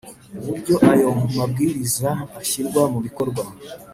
uburyo aya mabwiriza ashyirwa mu bikorwa